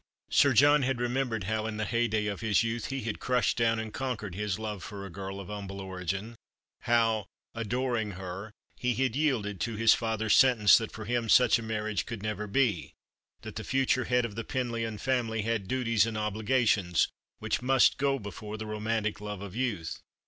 Sir John had remembered how, in the heyday of his youth, he had crushed down and conquered his k^ve for a girl of humble origin^how, adoring her, he had yielded to his father's sentence that for him such a marriage could never be — that the future head of the Penlyon family had duties and obligations, which must go before the romantic love of youth.